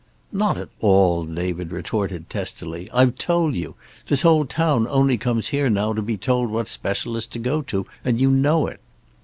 "Not at all," David retorted testily. "I've told you. This whole town only comes here now to be told what specialist to go to, and you know it."